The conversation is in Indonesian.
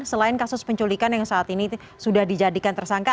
selain kasus penculikan yang saat ini sudah dijadikan tersangka